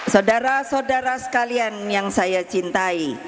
saudara saudara sekalian yang saya cintai